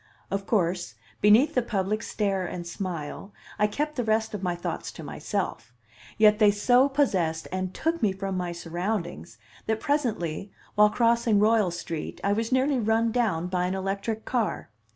Of course, beneath the public stare and smile I kept the rest of my thoughts to myself; yet they so possessed and took me from my surroundings, that presently, while crossing Royal Street, I was nearly run down by an electric car.